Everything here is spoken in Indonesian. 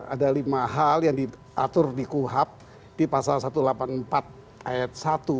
ada lima hal yang diatur di kuhap di pasal satu ratus delapan puluh empat ayat satu